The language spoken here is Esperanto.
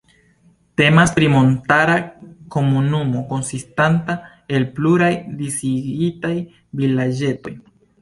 Temas pri montara komunumo, konsistanta el pluraj disigitaj vilaĝetoj.